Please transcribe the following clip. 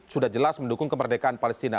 sudah jelas mendukung kemerdekaan palestina